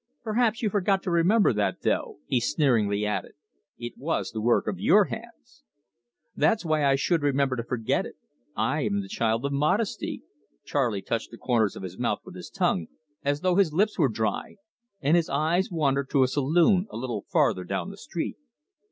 "Perhaps you forgot to remember that, though," he sneeringly added. "It was the work of your hands." "That's why I should remember to forget it I am the child of modesty." Charley touched the corners of his mouth with his tongue, as though his lips were dry, and his eyes wandered to a saloon a little farther down the street.